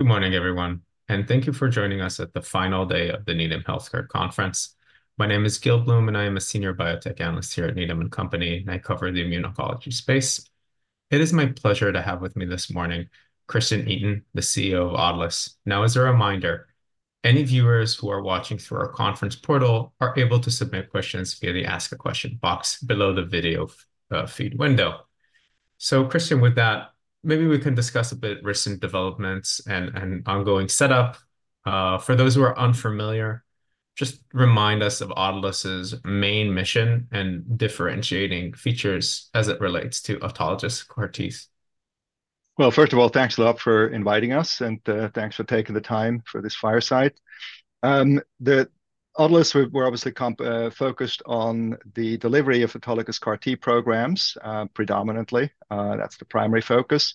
Good morning, everyone, and thank you for joining us at the final day of the Needham Healthcare Conference. My name is Gil Blum, and I am a senior biotech analyst here at Needham & Company, and I cover the immuno-oncology space. It is my pleasure to have with me this morning Christian Itin, the CEO of Autolus. Now, as a reminder, any viewers who are watching through our conference portal are able to submit questions via the Ask a Question box below the video feed window. So, Christian, with that, maybe we can discuss a bit of recent developments and ongoing setup. For those who are unfamiliar, just remind us of Autolus's main mission and differentiating features as it relates to autologous CAR-Ts. Well, first of all, thanks a lot for inviting us, and thanks for taking the time for this fireside. At Autolus, we're obviously focused on the delivery of autologous CAR-T programs, predominantly. That's the primary focus.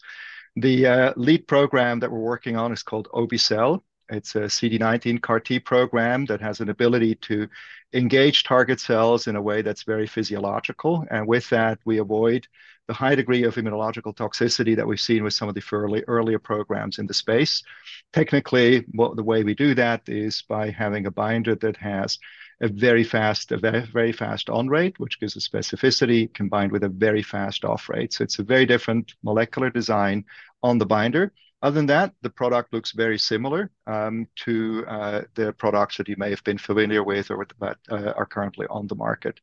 The lead program that we're working on is called obe-cel. It's a CD19 CAR-T program that has an ability to engage target cells in a way that's very physiological. And with that, we avoid the high degree of immunological toxicity that we've seen with some of the earlier programs in the space. Technically, the way we do that is by having a binder that has a very fast, very fast on rate, which gives a specificity combined with a very fast off rate. So it's a very different molecular design on the binder. Other than that, the product looks very similar to the products that you may have been familiar with or that are currently on the market.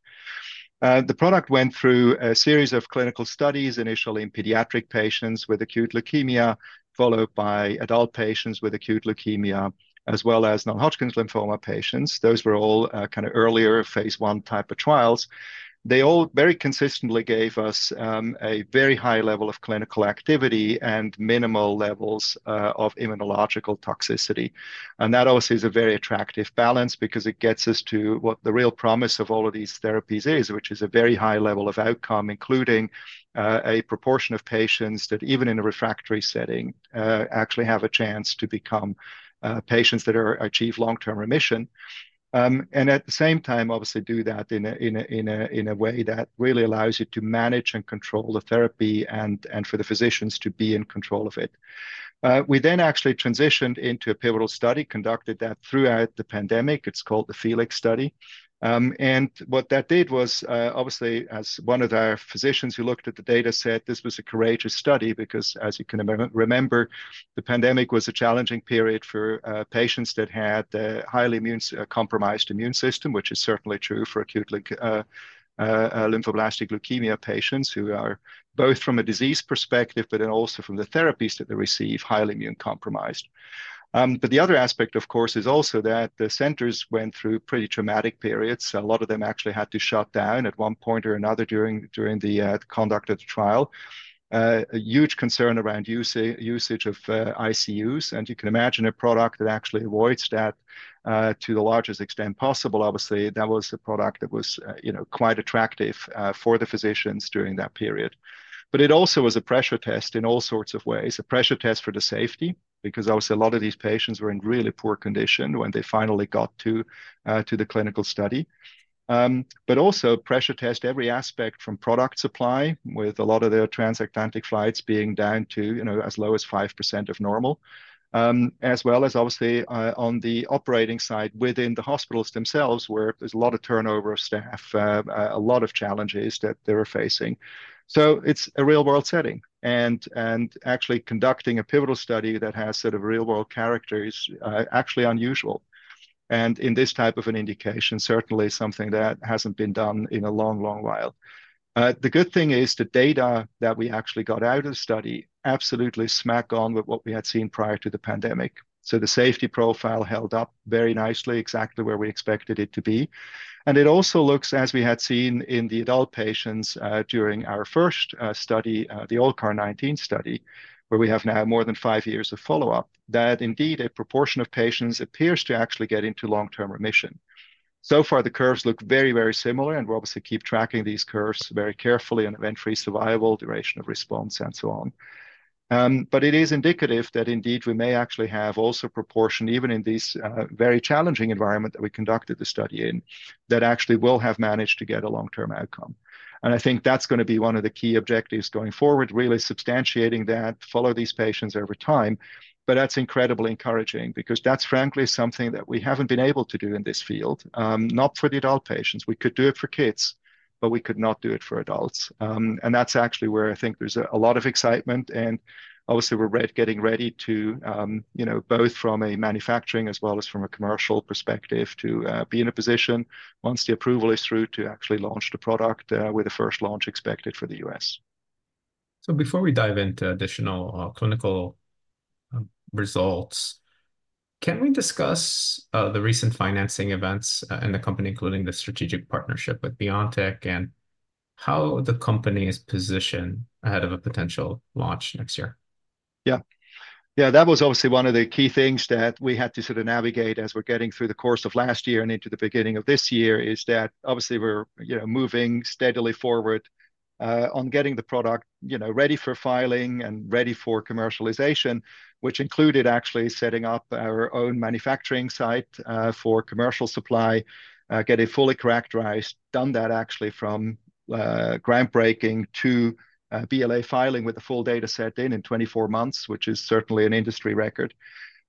The product went through a series of clinical studies, initially in pediatric patients with acute leukemia, followed by adult patients with acute leukemia, as well as non-Hodgkin's lymphoma patients. Those were all kind of earlier phase 1 type of trials. They all very consistently gave us a very high level of clinical activity and minimal levels of immunological toxicity. And that obviously is a very attractive balance because it gets us to what the real promise of all of these therapies is, which is a very high level of outcome, including a proportion of patients that even in a refractory setting actually have a chance to become patients that achieve long-term remission. And at the same time, obviously do that in a way that really allows you to manage and control the therapy and for the physicians to be in control of it. We then actually transitioned into a pivotal study, conducted that throughout the pandemic. It's called the FELIX study. And what that did was, obviously, as one of our physicians who looked at the data said, this was a courageous study because, as you can remember, the pandemic was a challenging period for patients that had a highly immune compromised immune system, which is certainly true for acute lymphoblastic leukemia patients who are both from a disease perspective, but then also from the therapies that they receive, highly immune compromised. But the other aspect, of course, is also that the centers went through pretty traumatic periods. A lot of them actually had to shut down at one point or another during the conduct of the trial. A huge concern around usage of ICUs. And you can imagine a product that actually avoids that to the largest extent possible. Obviously, that was a product that was quite attractive for the physicians during that period. But it also was a pressure test in all sorts of ways, a pressure test for the safety because obviously a lot of these patients were in really poor condition when they finally got to the clinical study. But also a pressure test every aspect from product supply, with a lot of their transatlantic flights being down to as low as 5% of normal, as well as obviously on the operating side within the hospitals themselves where there's a lot of turnover of staff, a lot of challenges that they were facing. So it's a real-world setting and actually conducting a pivotal study that has sort of real-world characters, actually unusual. And in this type of an indication, certainly something that hasn't been done in a long, long while. The good thing is the data that we actually got out of the study absolutely smack on with what we had seen prior to the pandemic. So the safety profile held up very nicely, exactly where we expected it to be. And it also looks, as we had seen in the adult patients during our first study, the ALLCAR19 study, where we have now more than five years of follow-up, that indeed a proportion of patients appears to actually get into long-term remission. So far the curves look very, very similar, and we'll obviously keep tracking these curves very carefully on event-free survival, duration of response, and so on. But it is indicative that indeed we may actually have also a proportion, even in these very challenging environments that we conducted the study in, that actually will have managed to get a long-term outcome. And I think that's going to be one of the key objectives going forward, really substantiating that, follow these patients over time. But that's incredibly encouraging because that's frankly something that we haven't been able to do in this field, not for the adult patients. We could do it for kids, but we could not do it for adults. And that's actually where I think there's a lot of excitement. And obviously we're getting ready to, both from a manufacturing as well as from a commercial perspective, to be in a position, once the approval is through, to actually launch the product with the first launch expected for the US. Before we dive into additional clinical results, can we discuss the recent financing events in the company, including the strategic partnership with BioNTech, and how the company is positioned ahead of a potential launch next year? Yeah. Yeah, that was obviously one of the key things that we had to sort of navigate as we're getting through the course of last year and into the beginning of this year, is that obviously we're moving steadily forward on getting the product ready for filing and ready for commercialization, which included actually setting up our own manufacturing site for commercial supply, getting fully characterized, done that actually from groundbreaking to BLA filing with the full data set in 24 months, which is certainly an industry record.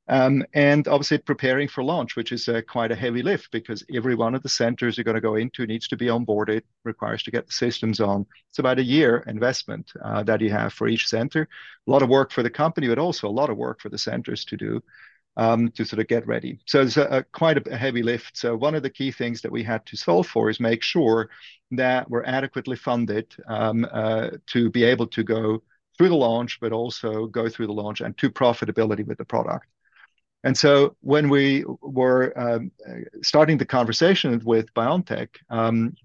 And obviously preparing for launch, which is quite a heavy lift because every one of the centers you're going to go into needs to be onboarded, requires to get the systems on. It's about a year investment that you have for each center, a lot of work for the company, but also a lot of work for the centers to do to sort of get ready. So it's quite a heavy lift. So one of the key things that we had to solve for is make sure that we're adequately funded to be able to go through the launch, but also go through the launch and to profitability with the product. And so when we were starting the conversation with BioNTech,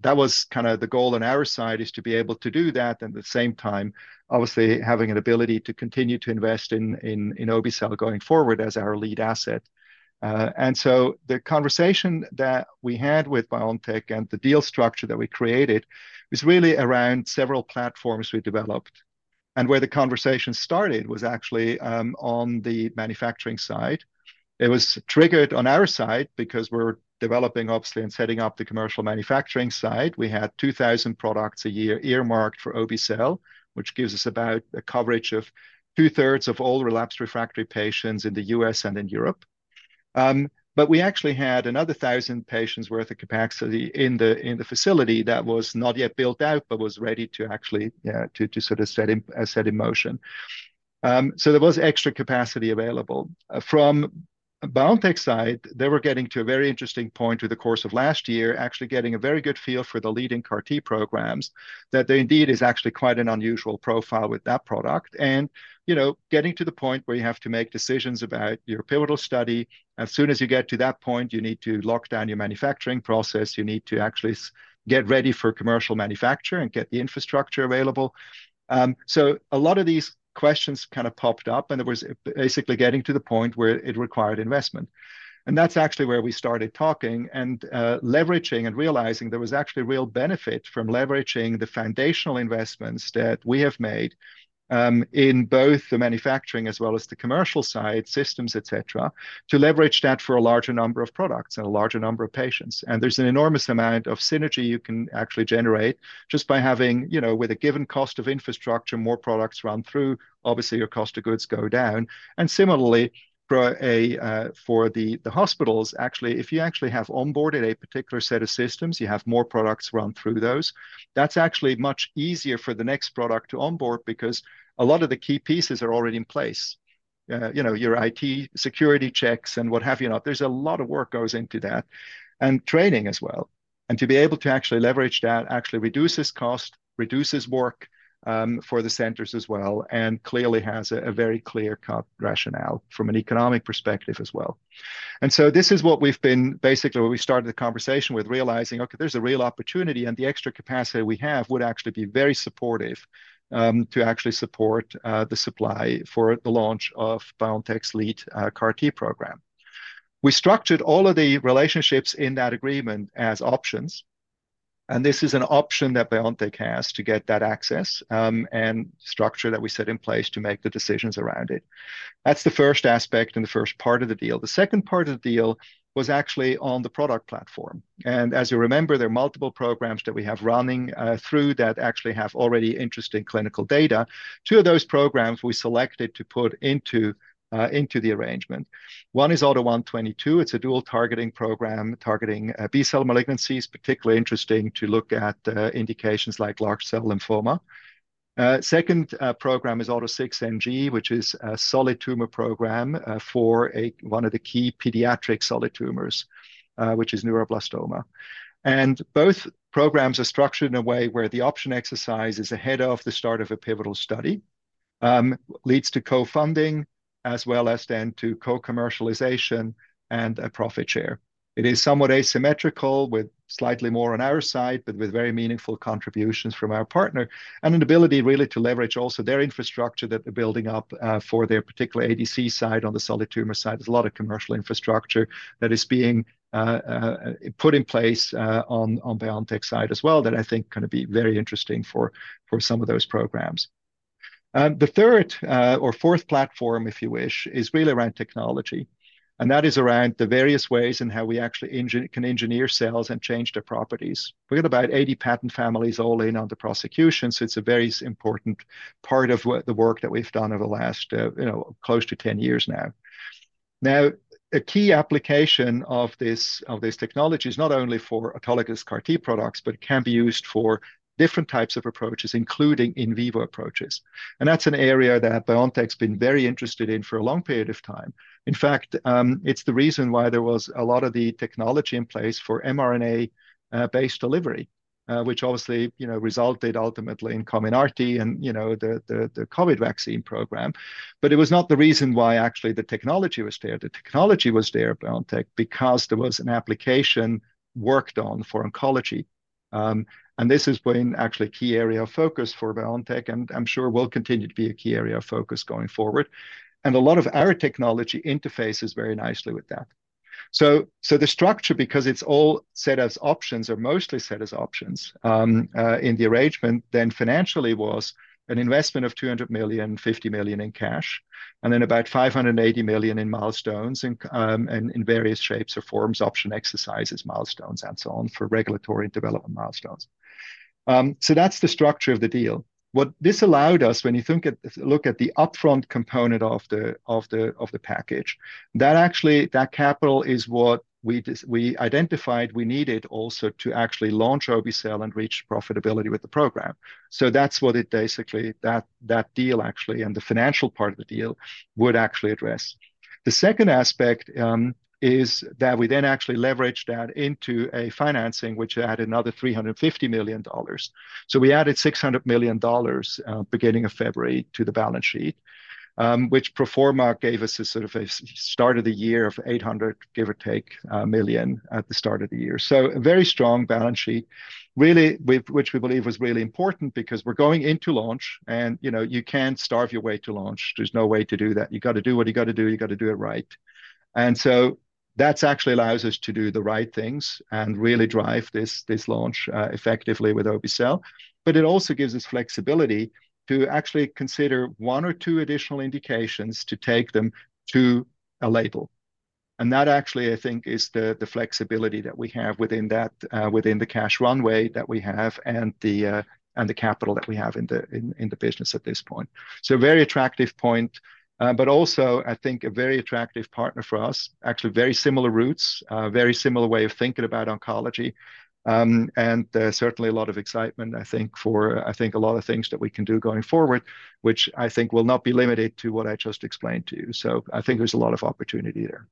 that was kind of the goal on our side, is to be able to do that and at the same time, obviously, having an ability to continue to invest in obe-cel going forward as our lead asset. And so the conversation that we had with BioNTech and the deal structure that we created was really around several platforms we developed. Where the conversation started was actually on the manufacturing side. It was triggered on our side because we're developing, obviously, and setting up the commercial manufacturing side. We had 2,000 products a year earmarked for obe-cel, which gives us about a coverage of two-thirds of all relapsed refractory patients in the U.S. and in Europe. We actually had another 1,000 patients' worth of capacity in the facility that was not yet built out, but was ready to actually to sort of set in motion. There was extra capacity available. From BioNTech's side, they were getting to a very interesting point with the course of last year, actually getting a very good feel for the leading CAR-T programs that there indeed is actually quite an unusual profile with that product, and getting to the point where you have to make decisions about your pivotal study. As soon as you get to that point, you need to lock down your manufacturing process. You need to actually get ready for commercial manufacture and get the infrastructure available. A lot of these questions kind of popped up, and it was basically getting to the point where it required investment. That's actually where we started talking and leveraging and realizing there was actually real benefit from leveraging the foundational investments that we have made in both the manufacturing as well as the commercial side, systems, etc., to leverage that for a larger number of products and a larger number of patients. There's an enormous amount of synergy you can actually generate just by having, with a given cost of infrastructure, more products run through. Obviously, your cost of goods go down. And similarly, for the hospitals, actually, if you actually have onboarded a particular set of systems, you have more products run through those. That's actually much easier for the next product to onboard because a lot of the key pieces are already in place, your IT security checks and what have you not. There's a lot of work goes into that and training as well. And to be able to actually leverage that actually reduces cost, reduces work for the centers as well, and clearly has a very clear-cut rationale from an economic perspective as well. And so this is what we've been basically when we started the conversation with realizing, okay, there's a real opportunity, and the extra capacity we have would actually be very supportive to actually support the supply for the launch of BioNTech's lead CAR-T program. We structured all of the relationships in that agreement as options. This is an option that BioNTech has to get that access and structure that we set in place to make the decisions around it. That's the first aspect and the first part of the deal. The second part of the deal was actually on the product platform. As you remember, there are multiple programs that we have running through that actually have already interesting clinical data. Two of those programs we selected to put into the arrangement. One is AUTO1/22. It's a dual targeting program targeting B-cell malignancies, particularly interesting to look at indications like large cell lymphoma. Second program is AUTO6NG, which is a solid tumor program for one of the key pediatric solid tumors, which is neuroblastoma. Both programs are structured in a way where the option exercise is ahead of the start of a pivotal study, leads to co-funding, as well as then to co-commercialization and a profit share. It is somewhat asymmetrical with slightly more on our side, but with very meaningful contributions from our partner and an ability really to leverage also their infrastructure that they're building up for their particular ADC side on the solid tumor side. There's a lot of commercial infrastructure that is being put in place on BioNTech's side as well that I think is going to be very interesting for some of those programs. The third or fourth platform, if you wish, is really around technology. That is around the various ways in how we actually can engineer cells and change their properties. We've got about 80 patent families all in on the prosecution. So it's a very important part of the work that we've done over the last close to 10 years now. Now, a key application of this technology is not only for autologous CAR-T products, but it can be used for different types of approaches, including in vivo approaches. And that's an area that BioNTech has been very interested in for a long period of time. In fact, it's the reason why there was a lot of the technology in place for mRNA-based delivery, which obviously resulted ultimately in Comirnaty and the COVID vaccine program. But it was not the reason why actually the technology was there. The technology was there, BioNTech, because there was an application worked on for oncology. And this is actually a key area of focus for BioNTech, and I'm sure will continue to be a key area of focus going forward. A lot of our technology interfaces very nicely with that. So the structure, because it's all set as options or mostly set as options in the arrangement, then financially was an investment of $200 million, $50 million in cash, and then about $580 million in milestones and in various shapes or forms, option exercises, milestones, and so on for regulatory and development milestones. So that's the structure of the deal. What this allowed us, when you look at the upfront component of the package, that capital is what we identified we needed also to actually launch obe-cel and reach profitability with the program. So that's what it basically that deal actually and the financial part of the deal would actually address. The second aspect is that we then actually leveraged that into a financing, which added another $350 million. So we added $600 million beginning of February to the balance sheet, which pro forma gave us a sort of a start of the year of $800 million, give or take, at the start of the year. So a very strong balance sheet, really, which we believe was really important because we're going into launch, and you can't starve your way to launch. There's no way to do that. You've got to do what you've got to do. You've got to do it right. And so that actually allows us to do the right things and really drive this launch effectively with obe-cel. But it also gives us flexibility to actually consider one or two additional indications to take them to a label. That actually, I think, is the flexibility that we have within the cash runway that we have and the capital that we have in the business at this point. So a very attractive point, but also I think a very attractive partner for us, actually very similar roots, very similar way of thinking about oncology. And certainly a lot of excitement, I think, for I think a lot of things that we can do going forward, which I think will not be limited to what I just explained to you. So I think there's a lot of opportunity there.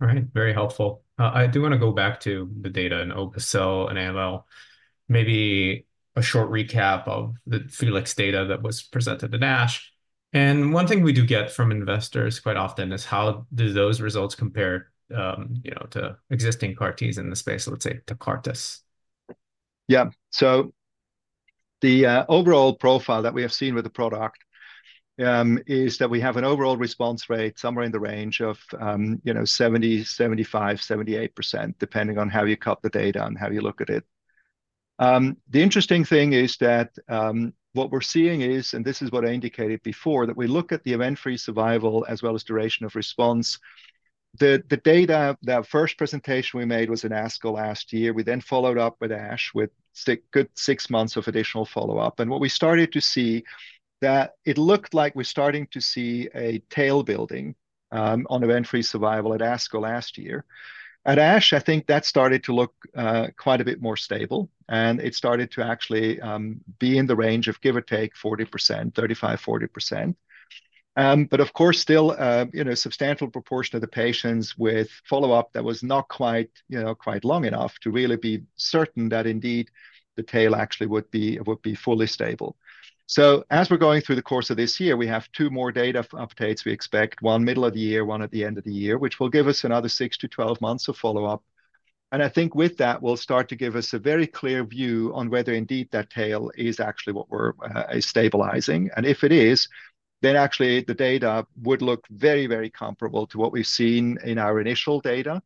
All right. Very helpful. I do want to go back to the data in obe-cel and ALL. Maybe a short recap of the FELIX data that was presented to Needham. One thing we do get from investors quite often is how do those results compare to existing CAR-Ts in the space, let's say, to Kymriah? Yeah. So the overall profile that we have seen with the product is that we have an overall response rate somewhere in the range of 70%, 75%, 78%, depending on how you cut the data and how you look at it. The interesting thing is that what we're seeing is, and this is what I indicated before, that we look at the event-free survival as well as duration of response. The data, that first presentation we made was in ASCO last year. We then followed up with ASH with good six months of additional follow-up. And what we started to see, that it looked like we're starting to see a tail building on event-free survival at ASCO last year. At ASH, I think that started to look quite a bit more stable. It started to actually be in the range of, give or take, 40%, 35%-40%. But of course, still a substantial proportion of the patients with follow-up that was not quite long enough to really be certain that indeed the tail actually would be fully stable. So as we're going through the course of this year, we have two more data updates we expect, one middle of the year, one at the end of the year, which will give us another 6-12 months of follow-up. And I think with that, we'll start to give us a very clear view on whether indeed that tail is actually what we're stabilizing. If it is, then actually the data would look very, very comparable to what we've seen in our initial data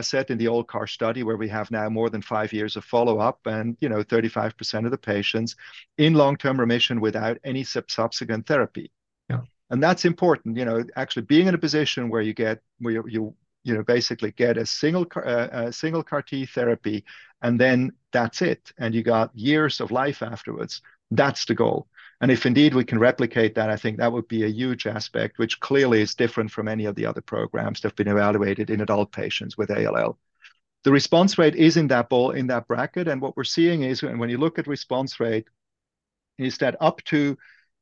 set in the old CAR study where we have now more than 5 years of follow-up and 35% of the patients in long-term remission without any subsequent therapy. And that's important, actually being in a position where you basically get a single CAR-T therapy, and then that's it. And you've got years of life afterwards. That's the goal. And if indeed we can replicate that, I think that would be a huge aspect, which clearly is different from any of the other programs that have been evaluated in adult patients with ALL. The response rate is in that bracket. And what we're seeing is, and when you look at response rate, is that up to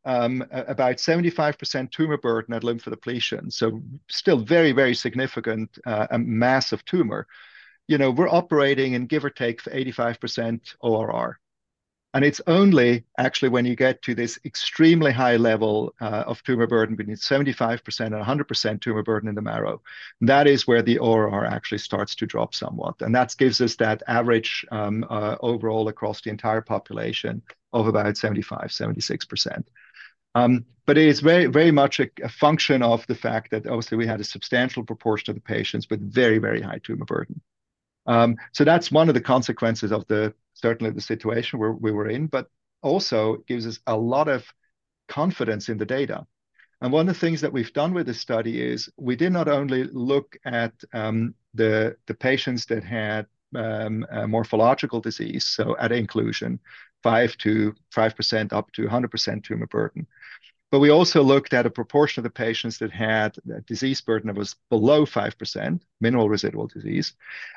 about 75% tumor burden at lymphodepletion. So still very, very significant mass of tumor. We're operating in, give or take, 85% ORR. And it's only actually when you get to this extremely high level of tumor burden between 75% and 100% tumor burden in the marrow. That is where the ORR actually starts to drop somewhat. And that gives us that average overall across the entire population of about 75%-76%. But it is very, very much a function of the fact that obviously we had a substantial proportion of the patients with very, very high tumor burden. So that's one of the consequences of certainly the situation we were in, but also gives us a lot of confidence in the data. One of the things that we've done with this study is we did not only look at the patients that had morphological disease, so at inclusion, 5%-100% tumor burden. We also looked at a proportion of the patients that had disease burden that was below 5%, minimal residual disease.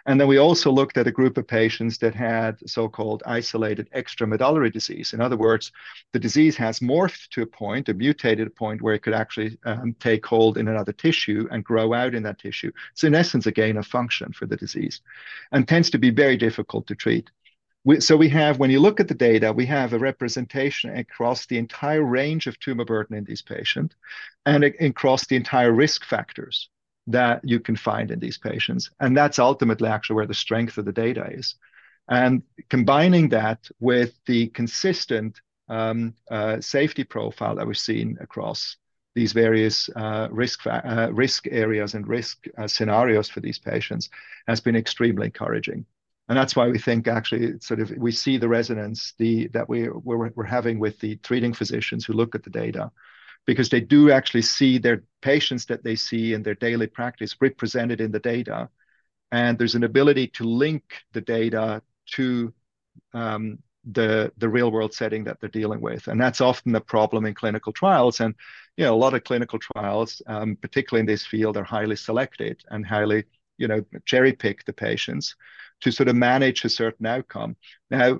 Then we also looked at a group of patients that had so-called isolated extramedullary disease. In other words, the disease has morphed to a point, a mutated point where it could actually take hold in another tissue and grow out in that tissue. It's in essence a gain of function for the disease and tends to be very difficult to treat. When you look at the data, we have a representation across the entire range of tumor burden in these patients and across the entire risk factors that you can find in these patients. That's ultimately actually where the strength of the data is. Combining that with the consistent safety profile that we've seen across these various risk areas and risk scenarios for these patients has been extremely encouraging. That's why we think actually sort of we see the resonance that we're having with the treating physicians who look at the data because they do actually see their patients that they see in their daily practice represented in the data. There's an ability to link the data to the real-world setting that they're dealing with. That's often a problem in clinical trials. A lot of clinical trials, particularly in this field, are highly selected and highly cherry-picked the patients to sort of manage a certain outcome. Now,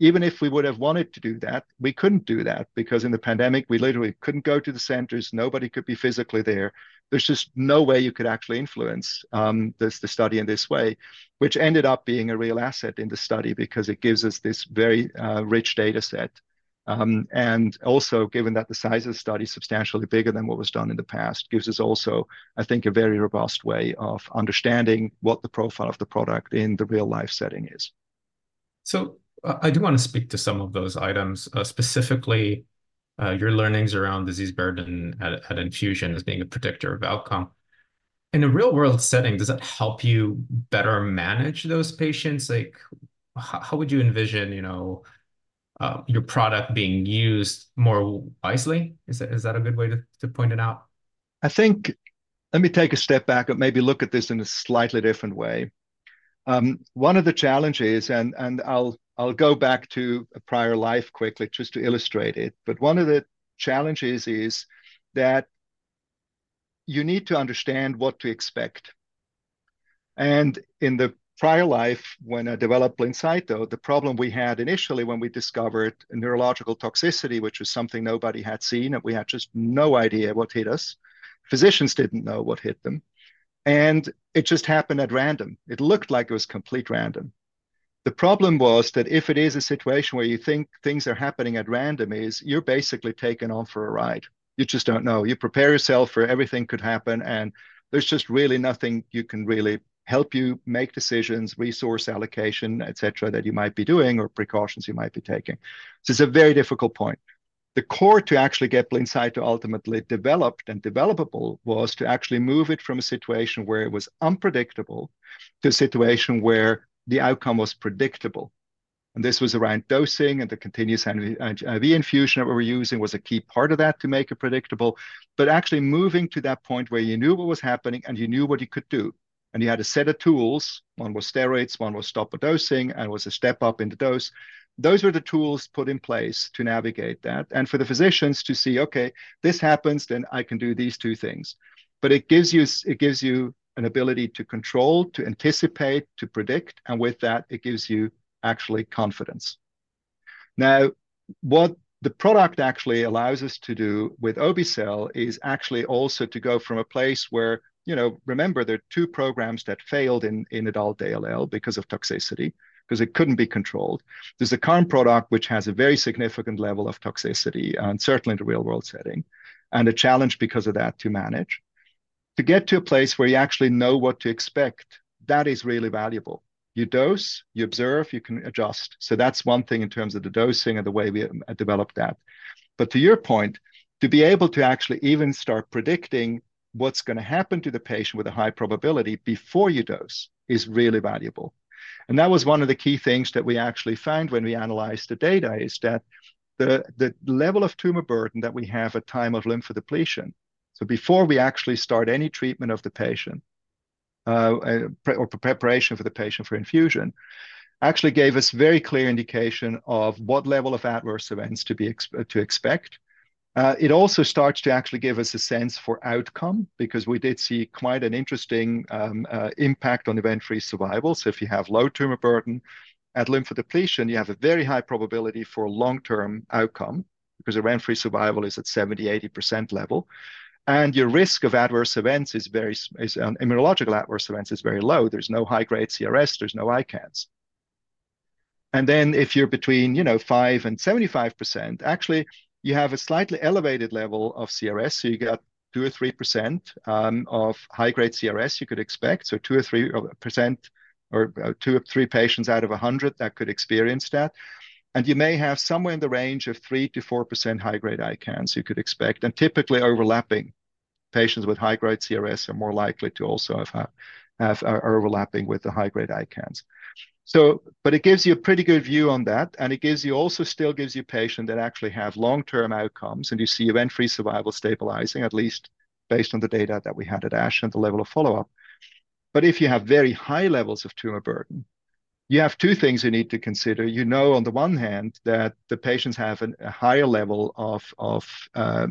even if we would have wanted to do that, we couldn't do that because in the pandemic, we literally couldn't go to the centers. Nobody could be physically there. There's just no way you could actually influence the study in this way, which ended up being a real asset in the study because it gives us this very rich data set. Also given that the size of the study is substantially bigger than what was done in the past, gives us also, I think, a very robust way of understanding what the profile of the product in the real-life setting is. So I do want to speak to some of those items, specifically your learnings around disease burden at infusion as being a predictor of outcome. In a real-world setting, does that help you better manage those patients? How would you envision your product being used more wisely? Is that a good way to point it out? I think, let me take a step back and maybe look at this in a slightly different way. One of the challenges, and I'll go back to a prior life quickly just to illustrate it, but one of the challenges is that you need to understand what to expect. In the prior life, when I developed Blincyto, the problem we had initially when we discovered neurological toxicity, which was something nobody had seen, and we had just no idea what hit us, physicians didn't know what hit them. It just happened at random. It looked like it was complete random. The problem was that if it is a situation where you think things are happening at random, you're basically taken on for a ride. You just don't know. You prepare yourself for everything could happen. There's just really nothing you can really help you make decisions, resource allocation, et cetera, that you might be doing or precautions you might be taking. So it's a very difficult point. The core to actually get Blincyto ultimately developed and developable was to actually move it from a situation where it was unpredictable to a situation where the outcome was predictable. This was around dosing and the continuous IV infusion that we were using was a key part of that to make it predictable. But actually moving to that point where you knew what was happening and you knew what you could do, and you had a set of tools, one was steroids, one was step-up dosing, and was a step up in the dose, those were the tools put in place to navigate that. For the physicians to see, "Okay, this happens, then I can do these two things." But it gives you an ability to control, to anticipate, to predict. And with that, it gives you actually confidence. Now, what the product actually allows us to do with obe-cel is actually also to go from a place where, remember, there are two programs that failed in adult ALL because of toxicity because it couldn't be controlled. There's a CAR-T product which has a very significant level of toxicity, certainly in the real-world setting, and a challenge because of that to manage. To get to a place where you actually know what to expect, that is really valuable. You dose, you observe, you can adjust. So that's one thing in terms of the dosing and the way we developed that. But to your point, to be able to actually even start predicting what's going to happen to the patient with a high probability before you dose is really valuable. And that was one of the key things that we actually found when we analyzed the data is that the level of tumor burden that we have at time of lymphodepletion, so before we actually start any treatment of the patient or preparation for the patient for infusion, actually gave us very clear indication of what level of adverse events to expect. It also starts to actually give us a sense for outcome because we did see quite an interesting impact on event-free survival. So if you have low tumor burden, at lymphodepletion, you have a very high probability for long-term outcome because event-free survival is at 70%-80% level. Your risk of adverse events is very immunological adverse events is very low. There's no high-grade CRS. There's no ICANS. And then if you're between 5%-75%, actually you have a slightly elevated level of CRS. So you've got 2%-3% of high-grade CRS you could expect. So 2%-3% or 2 or 3 patients out of 100 that could experience that. And you may have somewhere in the range of 3%-4% high-grade ICANS you could expect. And typically, overlapping patients with high-grade CRS are more likely to also have overlapping with the high-grade ICANS. But it gives you a pretty good view on that. And it also still gives you patients that actually have long-term outcomes. And you see event-free survival stabilizing, at least based on the data that we had at ASH and the level of follow-up. But if you have very high levels of tumor burden, you know, on the one hand, that the patients have a higher level of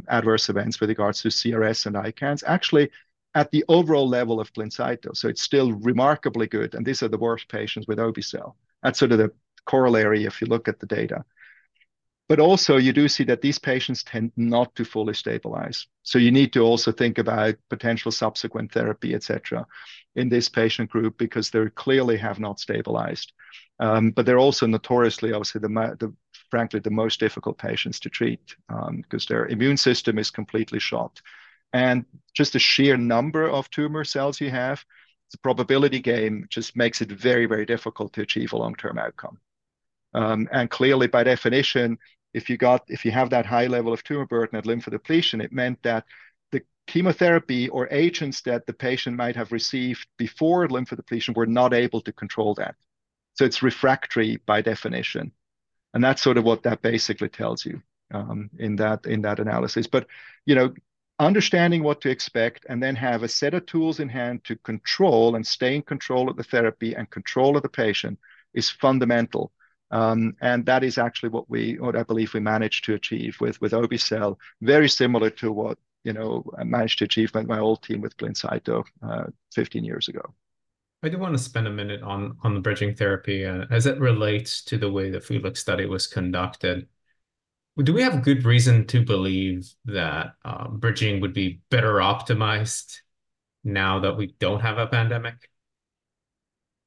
adverse events with regards to CRS and ICANS actually at the overall level of Blincyto, so it's still remarkably good. And these are the worst patients with obe-cel. That's sort of the corollary if you look at the data. But also, you do see that these patients tend not to fully stabilize. So you need to also think about potential subsequent therapy, et cetera, in this patient group because they clearly have not stabilized. But they're also notoriously, frankly, the most difficult patients to treat because their immune system is completely shot. And just the sheer number of tumor cells you have, the probability game just makes it very, very difficult to achieve a long-term outcome. Clearly, by definition, if you have that high level of tumor burden at lymphodepletion, it meant that the chemotherapy or agents that the patient might have received before lymphodepletion were not able to control that. So it's refractory by definition. And that's sort of what that basically tells you in that analysis. But understanding what to expect and then have a set of tools in hand to control and stay in control of the therapy and control of the patient is fundamental. And that is actually what I believe we managed to achieve with obe-cel, very similar to what I managed to achieve with my old team with Blincyto 15 years ago. I do want to spend a minute on the bridging therapy as it relates to the way the FELIX study was conducted. Do we have good reason to believe that bridging would be better optimized now that we don't have a pandemic?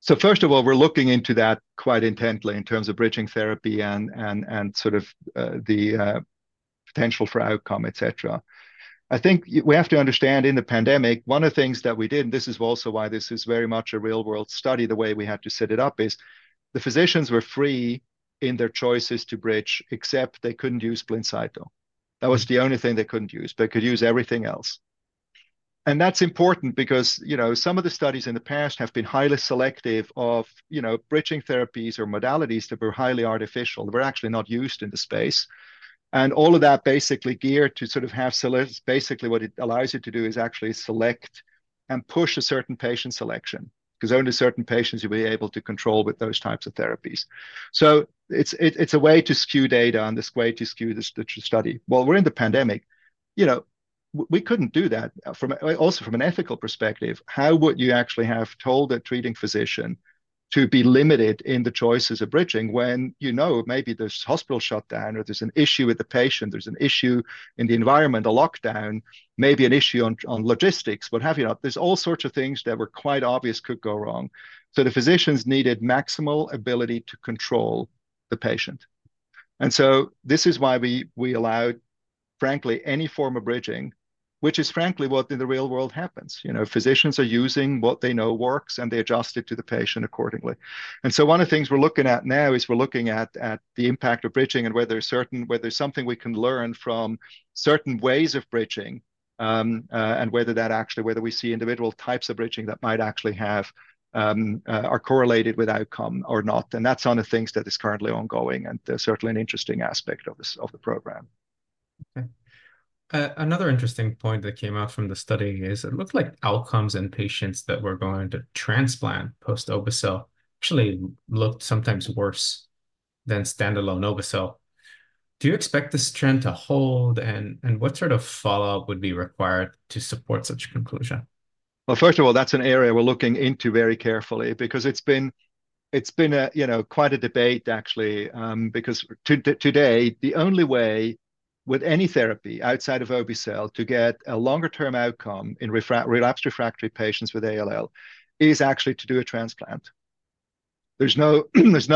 So first of all, we're looking into that quite intently in terms of bridging therapy and sort of the potential for outcome, et cetera. I think we have to understand in the pandemic, one of the things that we did, and this is also why this is very much a real-world study, the way we had to set it up is the physicians were free in their choices to bridge except they couldn't use Blincyto. That was the only thing they couldn't use. They could use everything else. And that's important because some of the studies in the past have been highly selective of bridging therapies or modalities that were highly artificial. They were actually not used in the space. All of that is basically geared to sort of have basically what it allows you to do is actually select and push a certain patient selection because only certain patients you'll be able to control with those types of therapies. So it's a way to skew data and it's a way to skew the study. Well, we're in the pandemic. We couldn't do that. Also from an ethical perspective, how would you actually have told a treating physician to be limited in the choices of bridging when you know maybe there's hospital shutdown or there's an issue with the patient, there's an issue in the environment, a lockdown, maybe an issue on logistics, what have you not? There's all sorts of things that were quite obvious could go wrong. So the physicians needed maximal ability to control the patient. And so this is why we allowed, frankly, any form of bridging, which is frankly what in the real world happens. Physicians are using what they know works, and they adjust it to the patient accordingly. And so one of the things we're looking at now is we're looking at the impact of bridging and whether there's something we can learn from certain ways of bridging and whether that actually whether we see individual types of bridging that might actually have are correlated with outcome or not. And that's one of the things that is currently ongoing and certainly an interesting aspect of the program. Okay. Another interesting point that came out from the study is it looked like outcomes in patients that were going to transplant post-obe-cel actually looked sometimes worse than standalone obe-cel. Do you expect this trend to hold? And what sort of follow-up would be required to support such a conclusion? Well, first of all, that's an area we're looking into very carefully because it's been quite a debate actually because today, the only way with any therapy outside of obe-cel to get a longer-term outcome in relapsed refractory patients with ALL is actually to do a transplant. There's no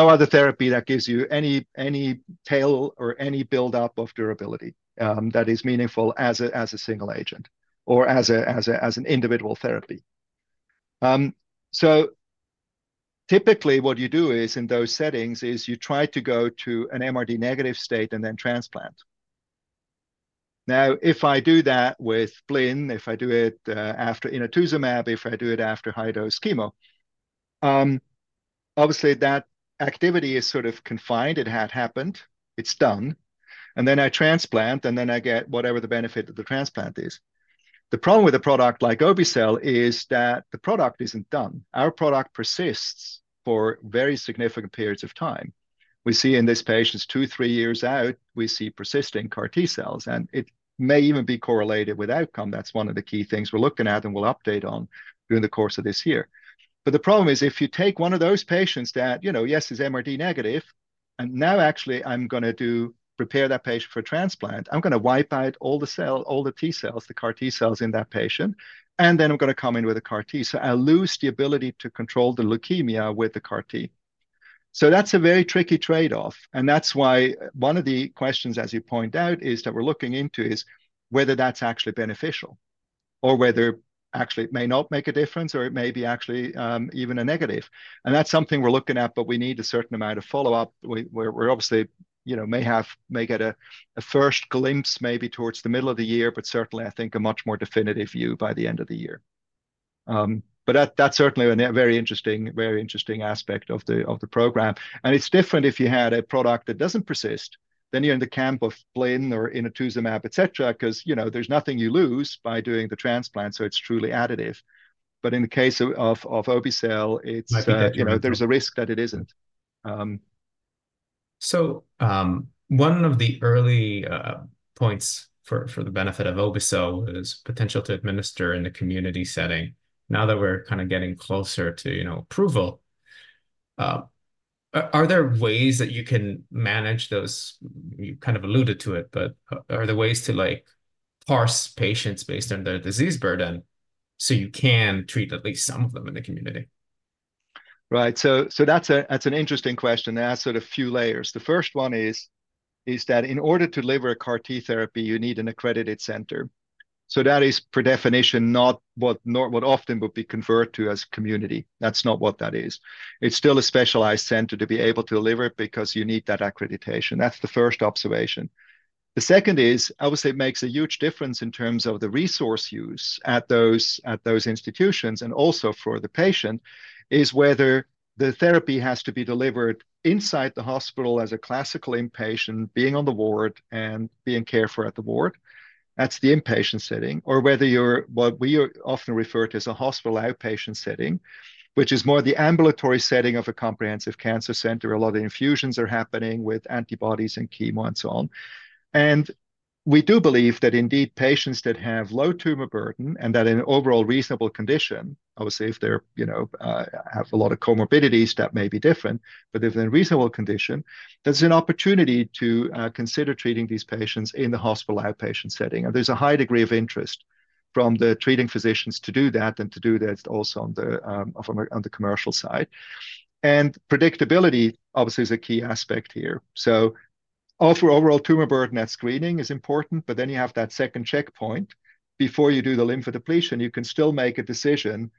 other therapy that gives you any tail or any buildup of durability that is meaningful as a single agent or as an individual therapy. So typically, what you do is in those settings is you try to go to an MRD-negative state and then transplant. Now, if I do that with Blincyto, if I do it after Inotuzumab, if I do it after high-dose chemo, obviously, that activity is sort of confined. It had happened. It's done. And then I transplant, and then I get whatever the benefit of the transplant is. The problem with a product like obe-cel is that the product isn't done. Our product persists for very significant periods of time. We see in this patient's 2, 3 years out, we see persisting CAR-T cells. And it may even be correlated with outcome. That's one of the key things we're looking at and we'll update on during the course of this year. But the problem is if you take one of those patients that, yes, is MRD-negative, and now actually I'm going to prepare that patient for transplant, I'm going to wipe out all the T cells, the CAR-T cells in that patient, and then I'm going to come in with a CAR-T. So I lose the ability to control the leukemia with the CAR-T. So that's a very tricky trade-off. And that's why one of the questions, as you point out, is that we're looking into is whether that's actually beneficial or whether actually it may not make a difference or it may be actually even a negative. And that's something we're looking at, but we need a certain amount of follow-up. We obviously may get a first glimpse maybe towards the middle of the year, but certainly, I think, a much more definitive view by the end of the year. But that's certainly a very interesting aspect of the program. And it's different if you had a product that doesn't persist. Then you're in the camp of BLIN or Inotuzumab, et cetera, because there's nothing you lose by doing the transplant, so it's truly additive. But in the case of obe-cel, there's a risk that it isn't. So one of the early points for the benefit of obe-cel is potential to administer in the community setting. Now that we're kind of getting closer to approval, are there ways that you can manage those? You kind of alluded to it, but are there ways to parse patients based on their disease burden so you can treat at least some of them in the community? Right. So that's an interesting question. There are sort of few layers. The first one is that in order to deliver a CAR T therapy, you need an accredited center. So that is, per definition, not what often would be converted to as community. That's not what that is. It's still a specialized center to be able to deliver it because you need that accreditation. That's the first observation. The second is, I would say, it makes a huge difference in terms of the resource use at those institutions and also for the patient is whether the therapy has to be delivered inside the hospital as a classical inpatient being on the ward and being cared for at the ward. That's the inpatient setting. Or whether you're what we often refer to as a hospital outpatient setting, which is more the ambulatory setting of a comprehensive cancer center. A lot of infusions are happening with antibodies and chemo and so on. And we do believe that indeed, patients that have low tumor burden and that in overall reasonable condition, I would say if they have a lot of comorbidities, that may be different, but if they're in reasonable condition, there's an opportunity to consider treating these patients in the hospital outpatient setting. And there's a high degree of interest from the treating physicians to do that and to do that also on the commercial side. And predictability, obviously, is a key aspect here. So overall tumor burden at screening is important. But then you have that second checkpoint. Before you do the lymphodepletion, you can still make a decision.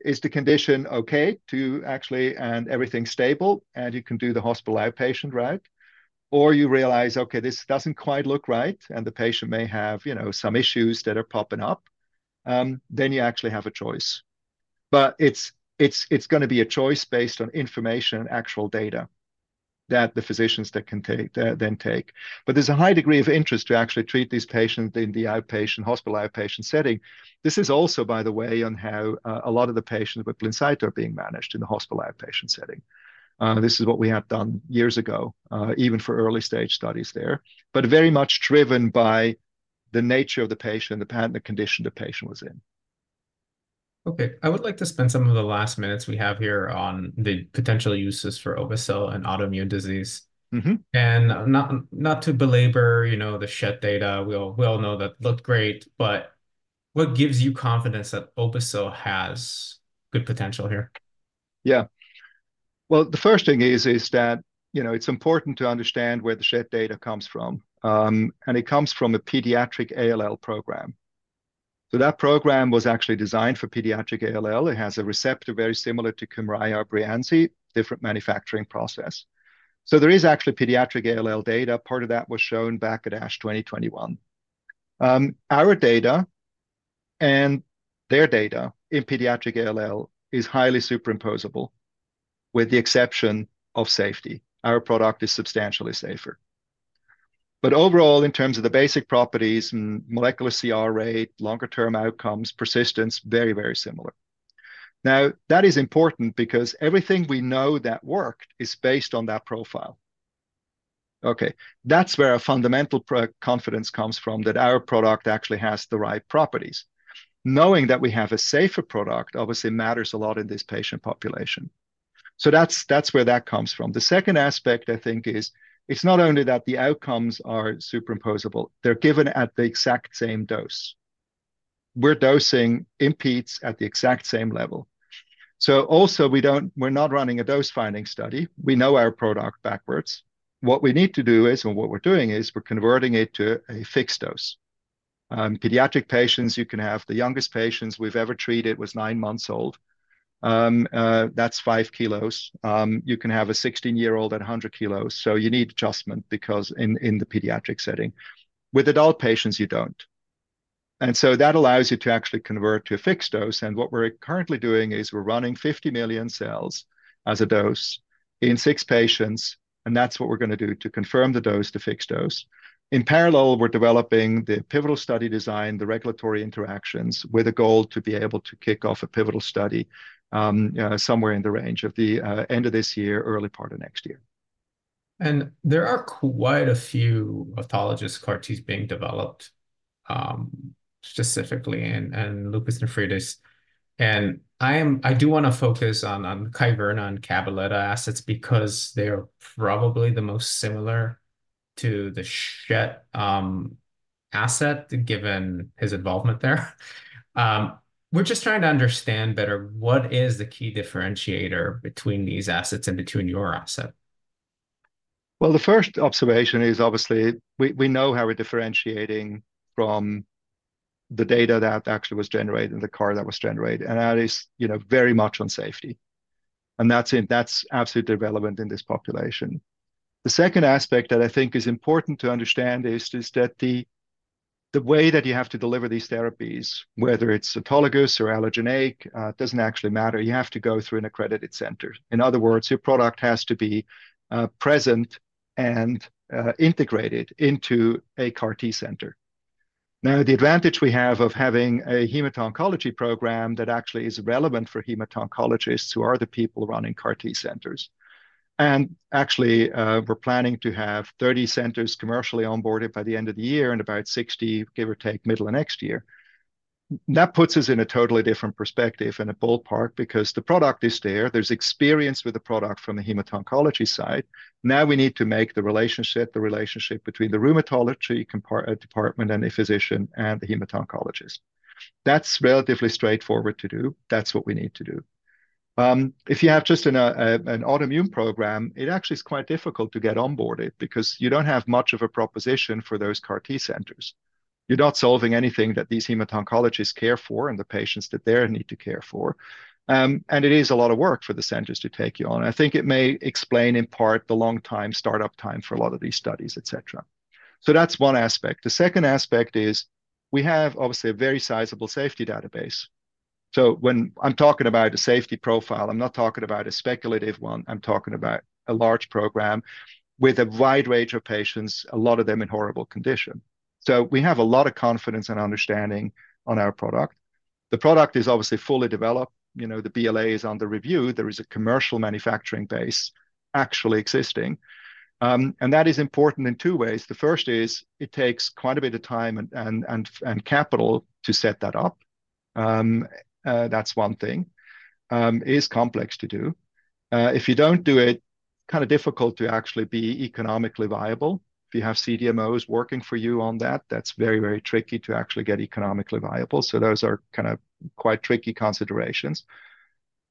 Is the condition okay to actually and everything stable? And you can do the hospital outpatient route. Or you realize, okay, this doesn't quite look right, and the patient may have some issues that are popping up. Then you actually have a choice. But it's going to be a choice based on information and actual data that the physicians can then take. But there's a high degree of interest to actually treat these patients in the hospital outpatient setting. This is also, by the way, on how a lot of the patients with Blincyto are being managed in the hospital outpatient setting. This is what we had done years ago, even for early-stage studies there, but very much driven by the nature of the patient and the condition the patient was in. Okay. I would like to spend some of the last minutes we have here on the potential uses for obe-cel and autoimmune disease. And not to belabor the Schett data, we all know that looked great. But what gives you confidence that obe-cel has good potential here? Yeah. Well, the first thing is that it's important to understand where the Schett data comes from. And it comes from a pediatric ALL program. So that program was actually designed for pediatric ALL. It has a receptor very similar to Kymriah, Breyanzi, different manufacturing process. So there is actually pediatric ALL data. Part of that was shown back at ASH 2021. Our data and their data in pediatric ALL is highly superimposable with the exception of safety. Our product is substantially safer. But overall, in terms of the basic properties, molecular CR rate, longer-term outcomes, persistence, very, very similar. Now, that is important because everything we know that worked is based on that profile. Okay. That's where our fundamental confidence comes from, that our product actually has the right properties. Knowing that we have a safer product, obviously, matters a lot in this patient population. So that's where that comes from. The second aspect, I think, is it's not only that the outcomes are superimposable. They're given at the exact same dose. We're dosing Obe-cel at the exact same level. So also, we're not running a dose-finding study. We know our product backwards. What we need to do is, and what we're doing is, we're converting it to a fixed dose. Pediatric patients, you can have the youngest patients we've ever treated was nine months old. That's five kilos. You can have a 16-year-old at 100 kilos. So you need adjustment because in the pediatric setting. With adult patients, you don't. And so that allows you to actually convert to a fixed dose. And what we're currently doing is we're running 50 million cells as a dose in six patients. And that's what we're going to do to confirm the dose to fixed dose. In parallel, we're developing the pivotal study design, the regulatory interactions with a goal to be able to kick off a pivotal study somewhere in the range of the end of this year, early part of next year. There are quite a few autologous CAR-Ts being developed specifically in lupus nephritis. I do want to focus on Kyverna and Cabaletta assets because they are probably the most similar to the Schett asset given his involvement there. We're just trying to understand better what is the key differentiator between these assets and between your asset? Well, the first observation is, obviously, we know how we're differentiating from the data that actually was generated and the CAR that was generated. And that is very much on safety. And that's absolutely relevant in this population. The second aspect that I think is important to understand is that the way that you have to deliver these therapies, whether it's autologous or allogeneic, doesn't actually matter. You have to go through an accredited center. In other words, your product has to be present and integrated into a CAR T center. Now, the advantage we have of having a hemato-oncology program that actually is relevant for hemato-oncologists who are the people running CAR T centers. And actually, we're planning to have 30 centers commercially onboarded by the end of the year and about 60, give or take, middle of next year. That puts us in a totally different perspective and a ballpark because the product is there. There's experience with the product from the hemato-oncology side. Now, we need to make the relationship between the rheumatology department and the physician and the hemato-oncologist. That's relatively straightforward to do. That's what we need to do. If you have just an autoimmune program, it actually is quite difficult to get onboarded because you don't have much of a proposition for those CAR T centers. You're not solving anything that these hemato-oncologists care for and the patients that they need to care for. And it is a lot of work for the centers to take you on. I think it may explain in part the long startup time for a lot of these studies, et cetera. So that's one aspect. The second aspect is we have, obviously, a very sizable safety database. So when I'm talking about a safety profile, I'm not talking about a speculative one. I'm talking about a large program with a wide range of patients, a lot of them in horrible condition. So we have a lot of confidence and understanding on our product. The product is obviously fully developed. The BLA is under review. There is a commercial manufacturing base actually existing. And that is important in two ways. The first is it takes quite a bit of time and capital to set that up. That's one thing. It is complex to do. If you don't do it, kind of difficult to actually be economically viable. If you have CDMOs working for you on that, that's very, very tricky to actually get economically viable. So those are kind of quite tricky considerations.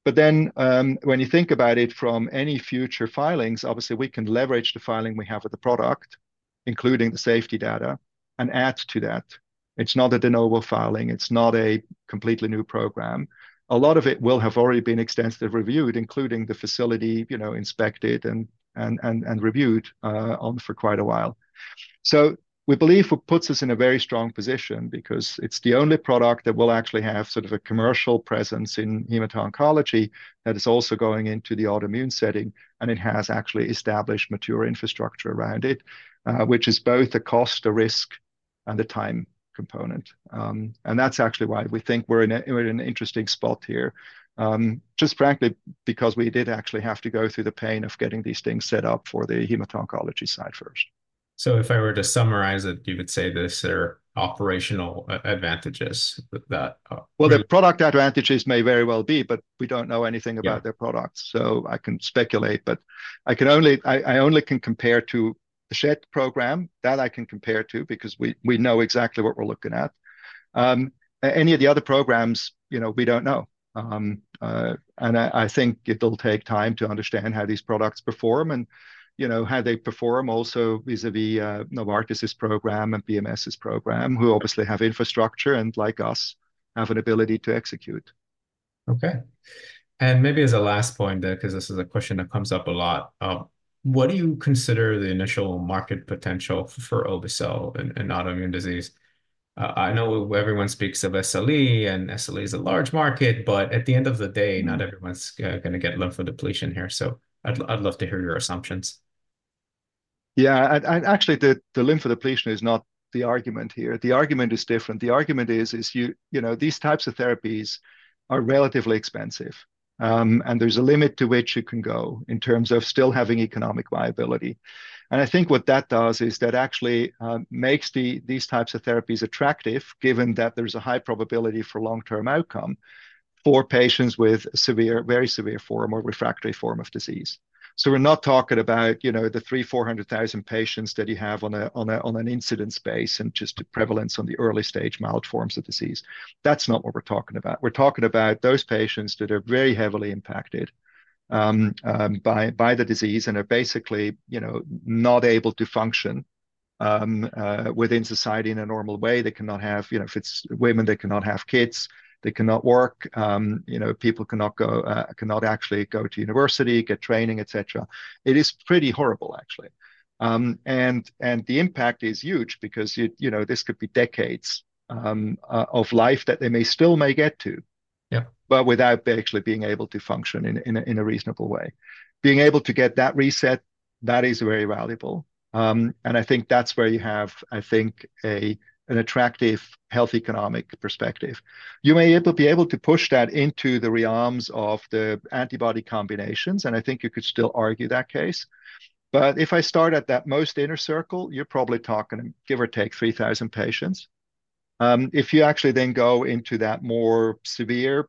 But then when you think about it from any future filings, obviously, we can leverage the filing we have with the product, including the safety data, and add to that. It's not a de novo filing. It's not a completely new program. A lot of it will have already been extensively reviewed, including the facility inspected and reviewed for quite a while. So we believe it puts us in a very strong position because it's the only product that will actually have sort of a commercial presence in hemato-oncology that is also going into the autoimmune setting. And it has actually established mature infrastructure around it, which is both the cost, the risk, and the time component. That's actually why we think we're in an interesting spot here, just frankly, because we did actually have to go through the pain of getting these things set up for the hemato-oncology side first. If I were to summarize it, you would say there are operational advantages that. Well, the product advantages may very well be, but we don't know anything about their products. So I can speculate. But I only can compare to the Schett program that I can compare to because we know exactly what we're looking at. Any of the other programs, we don't know. And I think it'll take time to understand how these products perform and how they perform also vis-à-vis Novartis's program and BMS's program, who obviously have infrastructure and, like us, have an ability to execute. Okay. And maybe as a last point there, because this is a question that comes up a lot, what do you consider the initial market potential for obe-cel and autoimmune disease? I know everyone speaks of SLE, and SLE is a large market. But at the end of the day, not everyone's going to get lymphodepletion here. So I'd love to hear your assumptions. Yeah. Actually, the lymphodepletion is not the argument here. The argument is different. The argument is these types of therapies are relatively expensive. And there's a limit to which you can go in terms of still having economic viability. And I think what that does is that actually makes these types of therapies attractive given that there's a high probability for long-term outcome for patients with very severe form or refractory form of disease. So we're not talking about the 300,000, 400,000 patients that you have on an incidence base and just the prevalence on the early-stage mild forms of disease. That's not what we're talking about. We're talking about those patients that are very heavily impacted by the disease and are basically not able to function within society in a normal way. They cannot have, if it's women, they cannot have kids. They cannot work. People cannot actually go to university, get training, et cetera. It is pretty horrible, actually. The impact is huge because this could be decades of life that they may still get to, but without actually being able to function in a reasonable way. Being able to get that reset, that is very valuable. And I think that's where you have, I think, an attractive health economic perspective. You may be able to push that into the realms of the antibody combinations. And I think you could still argue that case. But if I start at that most inner circle, you're probably talking, give or take, 3,000 patients. If you actually then go into that more severe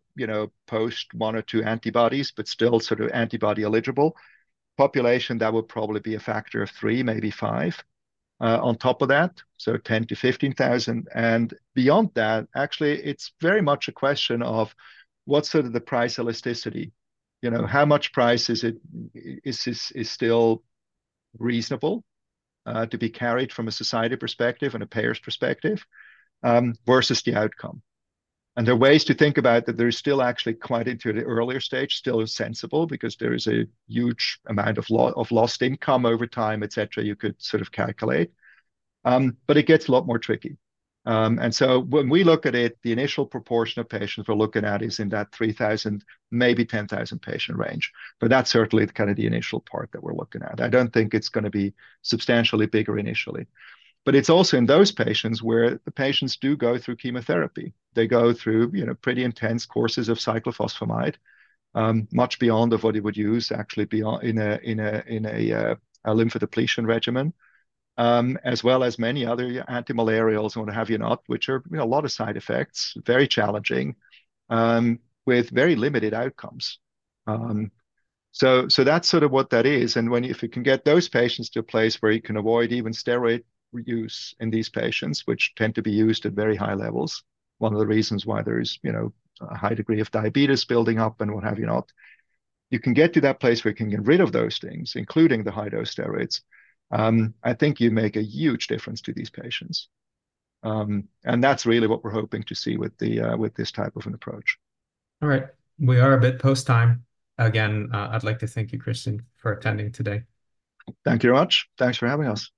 post-one or two antibodies, but still sort of antibody-eligible population, that would probably be a factor of three, maybe five, on top of that, so 10,000-15,000. And beyond that, actually, it's very much a question of what's sort of the price elasticity? How much price is still reasonable to be carried from a society perspective and a payer's perspective versus the outcome? And there are ways to think about that. There is still actually quite into the earlier stage, still sensible because there is a huge amount of lost income over time, et cetera, you could sort of calculate. But it gets a lot more tricky. And so when we look at it, the initial proportion of patients we're looking at is in that 3,000, maybe 10,000 patient range. But that's certainly kind of the initial part that we're looking at. I don't think it's going to be substantially bigger initially. But it's also in those patients where the patients do go through chemotherapy. They go through pretty intense courses of cyclophosphamide, much beyond what you would use actually in a lymphodepletion regimen, as well as many other antimalarials or what have you not, which are a lot of side effects, very challenging, with very limited outcomes. So that's sort of what that is. And if you can get those patients to a place where you can avoid even steroid use in these patients, which tend to be used at very high levels, one of the reasons why there is a high degree of diabetes building up and what have you not, you can get to that place where you can get rid of those things, including the high-dose steroids. I think you make a huge difference to these patients. And that's really what we're hoping to see with this type of an approach. All right. We are a bit post-time. Again, I'd like to thank you, Christian, for attending today. Thank you very much. Thanks for having us.